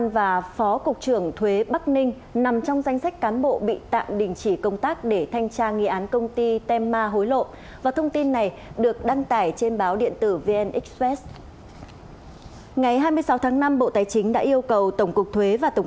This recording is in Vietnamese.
và sẽ có thông tin tới báo chí khi có kết luận cuối cùng